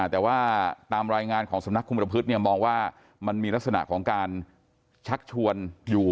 แต่ว่าตามรายงานของสำนักคุมประพฤติมองว่ามันมีลักษณะของการชักชวนอยู่